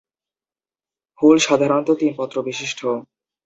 ফুল সাধারনত তিন পত্র বিশিষ্ট।